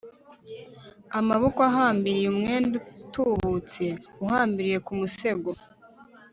amaboko ahambiriye umwenda utubutse, uhambiriye ku musego